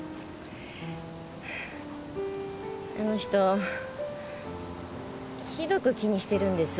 あの人ひどく気にしてるんです。